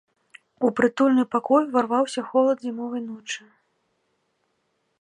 У прытульны пакой уварваўся холад зімовай ночы.